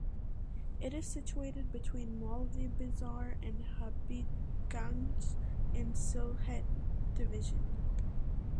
It is situated between Moulvibazar and Habiganj in Sylhet division.